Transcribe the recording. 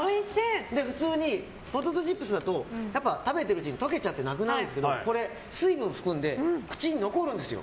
普通にポテトチップスだと食べるうちに溶けちゃってなくなるですけどこれ水分を含んで口に残るんですよ。